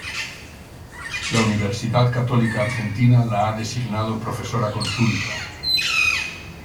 La Universidad Católica Argentina la ha designado Profesora Consulta.